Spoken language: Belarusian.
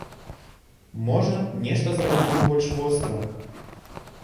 Можа, нешта зрабіў бы больш востра.